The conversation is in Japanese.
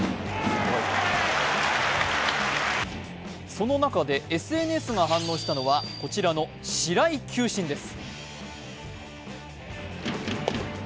その中でＳＮＳが反応したのは、こちらの白井球審です。